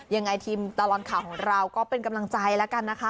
ยังไงทีมตลอดข่าวของเราก็เป็นกำลังใจแล้วกันนะคะ